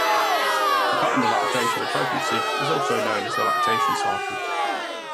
The pattern of lactation and pregnancy is known as the lactation cycle.